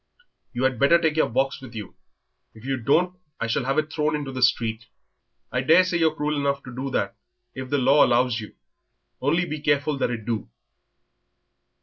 "You had better take your box with you. If you don't I'll shall have it thrown into the street." "I daresay you're cruel enough to do that if the law allows you, only be careful that it do."